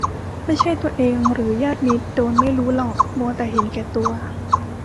ไม่ใช่ตัวเองหรือญาติมิตรโดนไม่รู้หรอก มัวแต่เห็นแก่ตัว